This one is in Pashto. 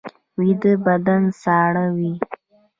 ویده بدن ساړه وي